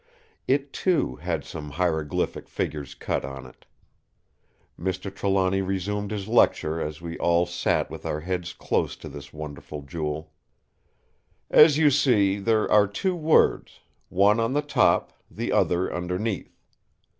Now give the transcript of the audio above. It, too, had some hieroglyphic figures cut on it. Mr. Trelawny resumed his lecture as we all sat with our heads close to this wonderful jewel: "As you see, there are two words, one on the top, the other underneath.